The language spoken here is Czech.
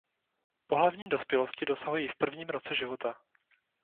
Pohlavní dospělosti dosahují v prvním roce života.